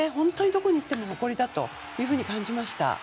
どこに行っても誇りだと感じました。